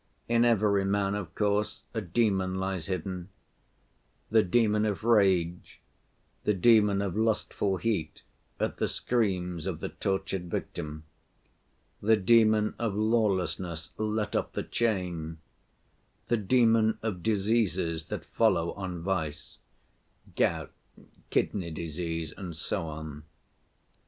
In every man, of course, a demon lies hidden—the demon of rage, the demon of lustful heat at the screams of the tortured victim, the demon of lawlessness let off the chain, the demon of diseases that follow on vice, gout, kidney disease, and so on.